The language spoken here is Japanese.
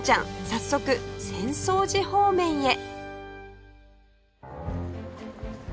早速浅草寺方面へ